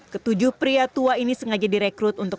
ketujuh pria tua ini sengaja direkrut untuk